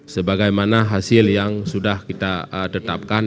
sebagaimana hasil yang sudah kita tetapkan